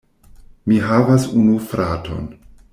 Mi havas unu fraton.